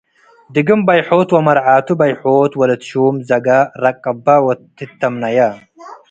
ድግም በይሖት ወመርዓቱ በይሖት ወለት ሹም ዘገ ረቅበ ወትተምነየ።